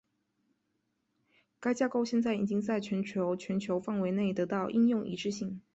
该架构现在已经在全球全球范围内得到应用一致性。